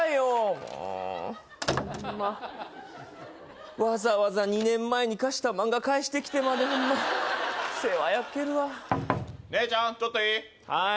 もうホンマわざわざ２年前に貸した漫画返してきてまでもう世話焼けるわ姉ちゃんちょっといい？